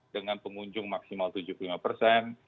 dengan pengunjung maksimal tujuh puluh lima persen